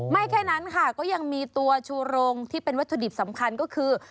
แค่นั้นค่ะก็ยังมีตัวชูโรงที่เป็นวัตถุดิบสำคัญก็คือ